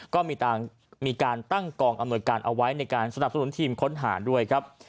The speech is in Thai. ก็มีการตั้งกองอำนวยการเอาไว้ในการสนับสนุนทีมค้นหาด้วยครับ